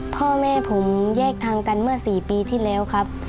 พ่อแม่ผมแยกทางกันเมื่อ๔ปีที่แล้วครับ